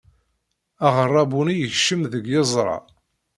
Aɣerrabu-nni yekcem deg yeẓra.